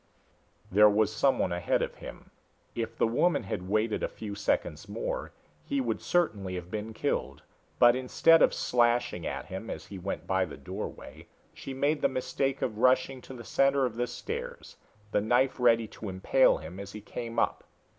There was someone ahead of him. If the woman had waited a few seconds more he would certainly have been killed; but instead of slashing at him as he went by the doorway, she made the mistake of rushing to the center of the stairs, the knife ready to impale him as he came up.